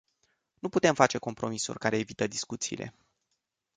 Nu putem face compromisuri care evită discuțiile.